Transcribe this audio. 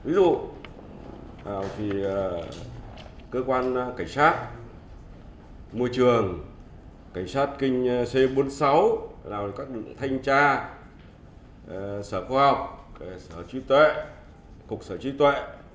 ví dụ cơ quan cảnh sát môi trường cảnh sát kinh c bốn mươi sáu các lực lượng thanh tra sở khoa học sở trí tuệ cục sở trí tuệ